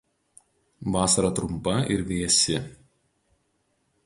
Vasara trumpa ir vėsi.